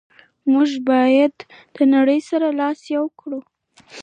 موږ باید نړی سره لاس یو کړو.